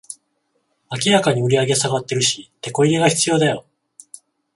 明らかに売上下がってるし、テコ入れが必要だよ